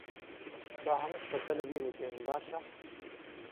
با هەموو شتەکە لەبیر بکەین، باشە؟